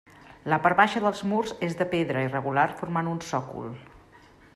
La part baixa dels murs és de pedra irregular formant un sòcol.